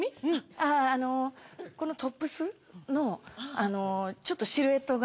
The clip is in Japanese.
あぁあのこのトップスのちょっとシルエットが。